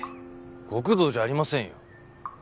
極道じゃありませんよ。